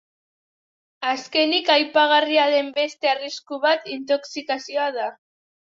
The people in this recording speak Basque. Azkenik, aipagarria den beste arrisku bat intoxikazioa da.